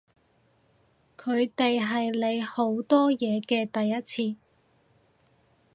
佢哋係你好多嘢嘅第一次